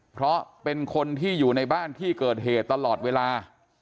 เพราะเป็นคนที่อยู่ในบ้านที่เกิดเหตุตลอดเวลา